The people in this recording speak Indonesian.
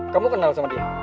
kamu kenal sama dia